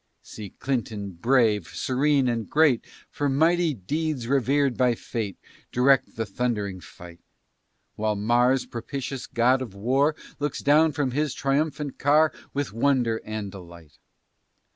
See Clinton brave, serene, and great, For mighty deeds rever'd by fate, Direct the thund'ring fight, While Mars, propitious god of war, Looks down from his triumphal car With wonder and delight.